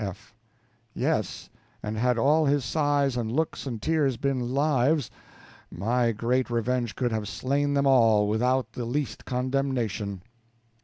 F. Yes, and had all his sighs and looks and tears been lives, my great revenge could have slain them all, without the least condemnation.